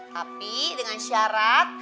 tapi dengan syarat